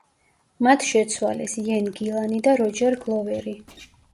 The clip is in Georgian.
მათ შეცვალეს იენ გილანი და როჯერ გლოვერი.